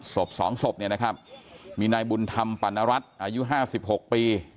ศพสองศพเนี่ยนะครับมีนายบุญธรรมปรรณรัฐอายุห้าสิบหกปี